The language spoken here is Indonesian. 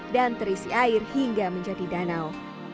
dan terisi air hingga menjadi danau